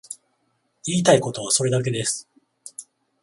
言いたいことはそれだけです。